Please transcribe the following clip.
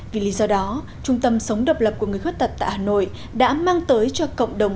vì lý do đó trung tâm sống độc lập của người khuyết tật tại hà nội đã mang tới cho cộng đồng